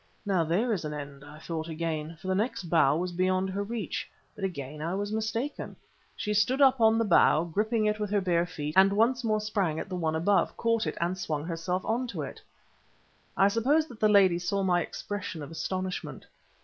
"Now there is an end," I thought again, for the next bough was beyond her reach. But again I was mistaken. She stood up on the bough, gripping it with her bare feet, and once more sprang at the one above, caught it and swung herself into it. I suppose that the lady saw my expression of astonishment.